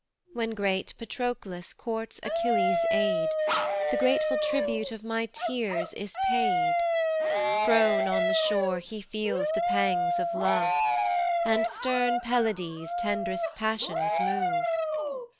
When great Patroclus courts Achilles' aid, The grateful tribute of my tears is paid; Prone on the shore he feels the pangs of love, And stern Pelides tend'rest passions move.